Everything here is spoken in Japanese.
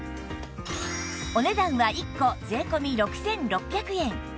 お値段は１個税込６６００円